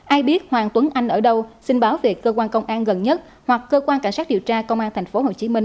ai biết hoàng tuấn anh ở đâu xin báo về cơ quan công an gần nhất hoặc cơ quan cảnh sát điều tra công an tp hcm